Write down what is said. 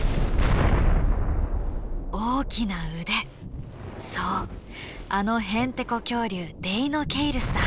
大きな腕そうあのヘンテコ恐竜デイノケイルスだ。